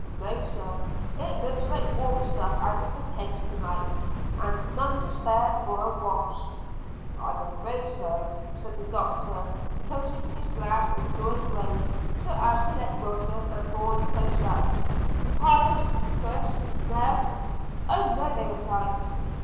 "No, sir, it looks like warm stuff out of the kegs to night, and none to spare for a wash." "I'm afraid so," said the doctor, closing his glass and drawing rein so as to let Wilton and Bourne close up. "Tired, Chris Ned?" "Oh no," they replied.